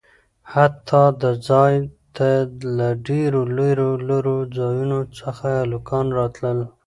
حتا د ځاى ته له ډېرو لرو لرو ځايونه څخه هلکان راتلل.